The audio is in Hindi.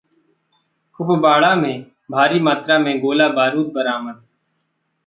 कुपवाड़ा में भारी मात्रा में गोलाबारूद बरामद